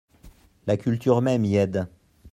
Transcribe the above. La culture même y aide.